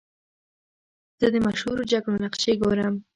زه د مشهورو جګړو نقشې ګورم.